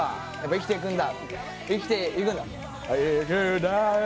生きていくんだ